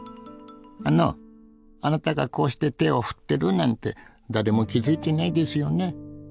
あのあなたがこうして手を振ってるなんて誰も気付いてないですよね？